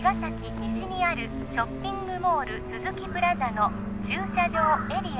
西にあるショッピングモール都築プラザの駐車場エリア